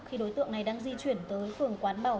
khi đối tượng này đang di chuyển tới phường quán bảo